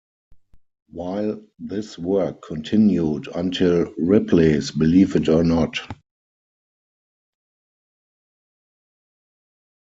While this work continued until Ripley's Believe It or Not!